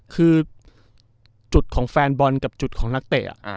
คือจุดของแฟนบอลกับจุดของนักเตะ